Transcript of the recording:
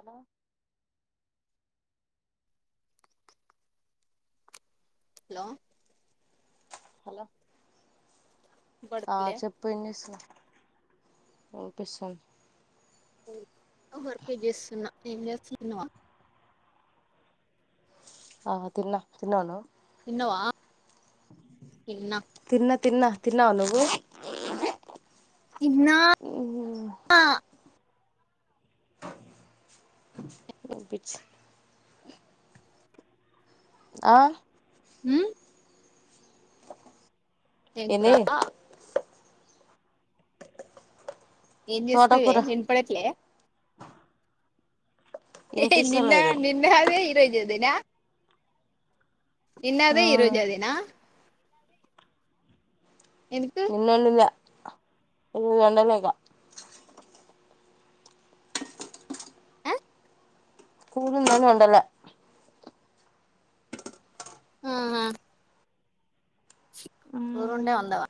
అమ [unintelligible] hello hello ఆహ్ పడట్లే చెప్పు ఏం చేస్తున్నావు. ఓపిస్తోంది. ఉమ్ వర్కే చేస్తున్నా. నేను చేస్తే తినవా. ఆహ్ తిన్న తిన్నవ నువ్వు. తిన్నవా. తీన్న. తిన్నా తిన్నా తిన్నావ నువ్వు. నో నో పిచ్ ఆహ్ ఉమ్ ఏం ఏంది కురా. ఏం చేస్తున్నవే తోటకూర వినపడట్లే. ఏ నిన్న వినిపిస్తలేదు నిన్న అదే ఈరోజు అదే. ఆహ్ నిన్న అదే ఈరోజు అదేనా. ఎందుకు నిన్న వండిదే. ఈ రోజు వండలే ఇగ. ఆ స్కూల్ ఉందని వండలే. ఆహా కూర ఉంటే మ్మ్ వండావా.